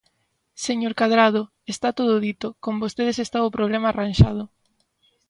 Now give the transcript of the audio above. Señor Cadrado, está todo dito, con votedes está o problema arranxado.